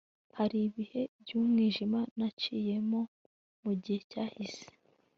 Hari ibihe byumwijima naciyemo mugihe cyashize